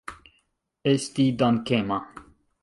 Esti dankema.